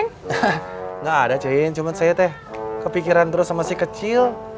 nggak ada cain cuma saya teh kepikiran terus sama si kecil